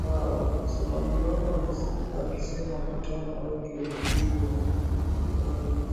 Msemaji wao alisikika akisema mkutano wetu ulipigwa marufuku na bado mkutano wao haukupigwa marufuku katika eneo hilo-hilo.